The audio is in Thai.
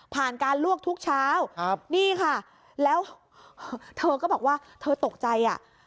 การลวกทุกเช้าครับนี่ค่ะแล้วเธอก็บอกว่าเธอตกใจอ่ะ